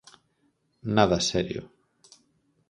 Nada serio.